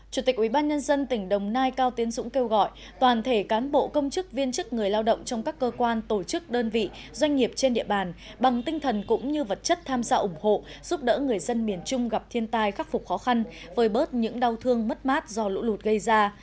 chủ tịch ubnd tỉnh đồng nai cao tiến dũng kêu gọi toàn thể cán bộ công chức viên chức người lao động trong các cơ quan tổ chức đơn vị doanh nghiệp trên địa bàn bằng tinh thần cũng như vật chất tham gia ủng hộ giúp đỡ người dân miền trung gặp thiên tai khắc phục khó khăn vơi bớt những đau thương mất mát do lũ lụt gây ra